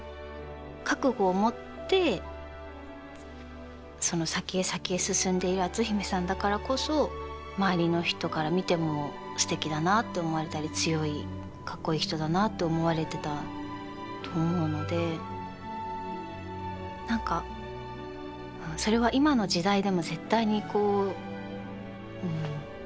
覚悟を持ってその先へ先へ進んでいる篤姫さんだからこそ周りの人から見てもすてきだなって思われたり強い格好いい人だなって思われてたと思うので何かそれは今の時代でも絶対にこううん。